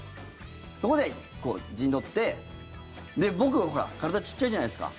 そこで陣取って僕は体、小さいじゃないですか。